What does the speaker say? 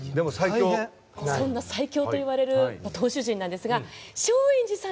そんな最強といわれる投手陣なんですが松陰寺さん